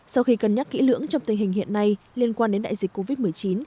sau khi cân nhắc kỹ lưỡng trong tình hình hiện nay liên quan đến đại dịch covid một mươi chín